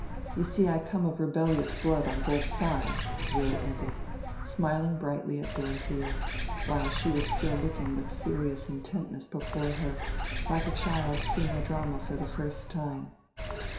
You see I come of rebellious blood on both sides," Will ended, smiling brightly at Dorothea, while she was still looking with serious intentness before her, like a child seeing a drama for the first time.